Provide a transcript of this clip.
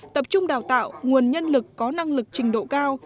tập trung đào tạo nguồn nhân lực có năng lực trình độ cao